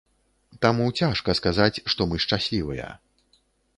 Таму цяжка сказаць, што мы шчаслівыя.